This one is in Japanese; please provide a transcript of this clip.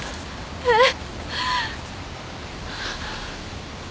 えっ！？